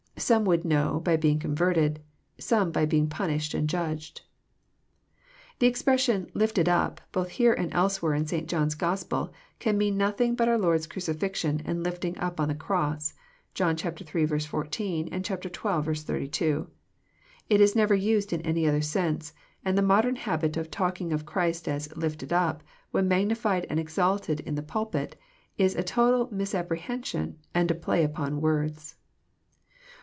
Some would know by being converted, some by being punished and judged. The expression lifted up," both here and elsewhere In St. John's Gospel, can mean nothing but our Lord's crucifixion and ifbiug up on the cross. (John iii. 14, and xii. 32.) It is never used in any other sense, and the modem habit of talking of Christ as lifted up," when magnified and exalted in the pulpit, is a total misapprehension, and a play upon words.